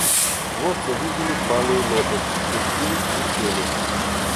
Вот завидели палую лошадь, спустились и сели.